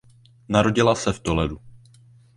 Narodila se v Toledu.